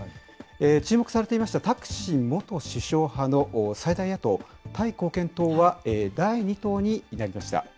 注目されていましたタクシン元首相派の最大野党・タイ貢献党は、第２党になりました。